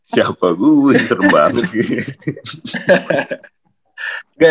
siapa gue serem banget gitu